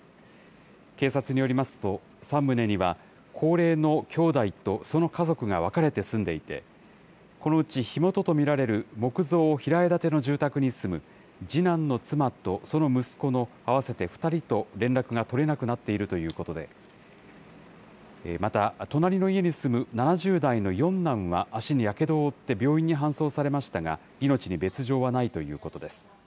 警察によりますと、３棟には高齢の兄弟とその家族が分かれて住んでいて、このうち火元と見られる木造平屋建ての住宅に住む、次男の妻と、その息子の合わせて２人と連絡が取れなくなっているということで、また、隣の家に住む７０代の四男は足にやけどを負って、病院に搬送されましたが、命に別状はないということです。